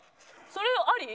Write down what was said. それあり？